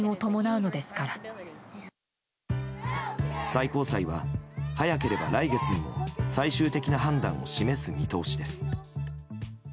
最高裁は早ければ来月にも最終的な判断を示す見通しです。